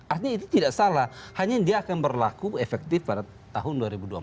artinya itu tidak salah hanya dia akan berlaku efektif pada tahun dua ribu dua puluh empat